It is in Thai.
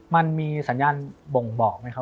มันมีสัญญาณบ่งบอกไหมครับ